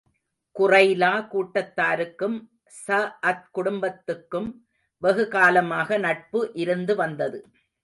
குறைலா கூட்டத்தாருக்கும் ஸஅத் குடும்பத்துக்கும் வெகு காலமாக நட்பு இருந்து வந்தது.